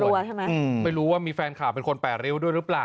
กลัวใช่ไหมไม่รู้ว่ามีแฟนข่าวเป็นคนแปดริ้วด้วยหรือเปล่า